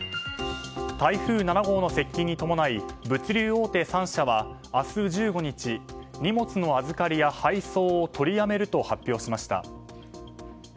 台風７号の接近に伴い物流大手３社は明日１５日、荷物の預かりや配送を取りやめると発表しました。